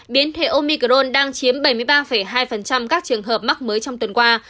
biến thể omicrone đang chiếm bảy mươi ba hai các trường hợp mắc mới trong tuần qua